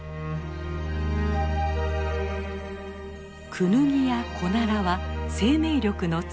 クヌギやコナラは生命力の強い木。